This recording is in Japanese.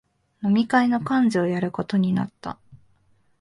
飲み会の幹事をやることになった